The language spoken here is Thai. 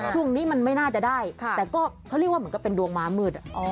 ช่วงนี้มันไม่น่าจะได้แต่เขาเรียกว่าเป็นดวงม้ามืดอ่อ